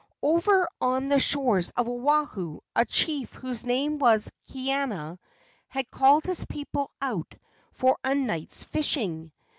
Over on the shores of Oahu a chief whose name was Kaena had called his people out for a night's fishing.